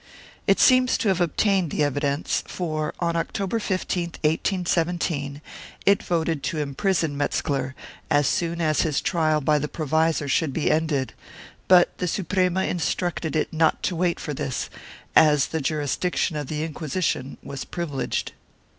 It seems to have obtained the evidence for, on October 15, 1817, it voted to imprison Metzcler, as soon as his trial by the provisor should be ended, but the Suprema instructed it not to wait for this, as the jurisdiction of the Inquisition was privileged.